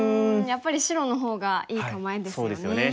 やっぱり白の方がいい構えですよね。